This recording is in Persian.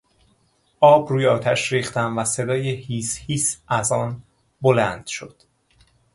آب روی آتش ریختم و صدای هیس هیس از آن بلند شد.